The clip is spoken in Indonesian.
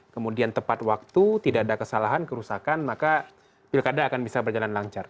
kemudian tepat waktu tidak ada kesalahan kerusakan maka pilkada akan bisa berjalan lancar